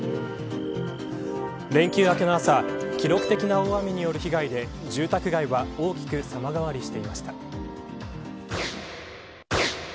連休明けの朝記録的な大雨による被害で住宅街は大きく様変わりしていました。